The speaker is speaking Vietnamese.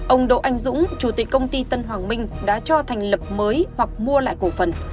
ông đỗ anh dũng chủ tịch công ty tân hoàng minh đã cho thành lập mới hoặc mua lại cổ phần